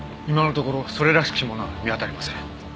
今のところそれらしきものは見当たりません。